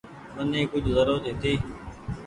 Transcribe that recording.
مني ڪجه زرورت هيتي۔